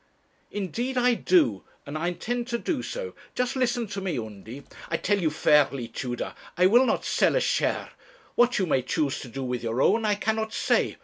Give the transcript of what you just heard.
'Indeed I do, and I intend to do so; just listen to me, Undy ' 'I tell you fairly, Tudor, I will not sell a share; what you may choose to do with your own I cannot say.